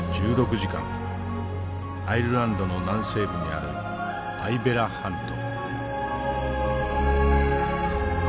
アイルランドの南西部にあるアイベラ半島。